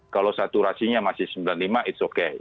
kalau saturasinya masih sembilan puluh lima it's okay